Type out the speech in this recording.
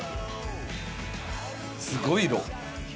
すごい色。